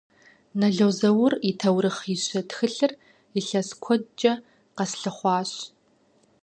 Нэло Зэур и «Тэурыхъищэ» тхылъыр илъэс куэдкӏэ къэслъыхъуащ.